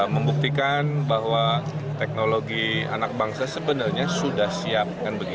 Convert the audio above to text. membuktikan bahwa teknologi anak bangsa sebenarnya sudah siap